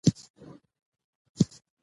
افغانستان د تاریخ له امله شهرت لري.